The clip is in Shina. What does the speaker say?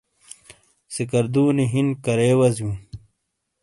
سکردونی ہِن کرے وزیوں؟